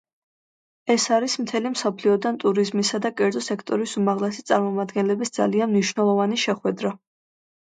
ეს არის მთელი მსოფლიოდან ტურიზმისა და კერძო სექტორის უმაღლესი წარმომადგენლებია ძალიან მნიშვნელოვანი შეხვედრა.